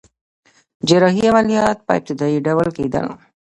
جراحي عملیات په ابتدایی ډول کیدل